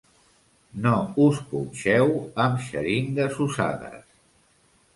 No us punxeu amb xeringues usades.